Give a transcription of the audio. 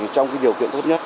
trong cái điều kiện tốt nhất